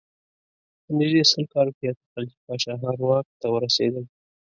په نژدې سل کالو کې اته خلجي پاچاهان واک ته ورسېدل.